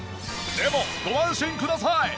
でもご安心ください！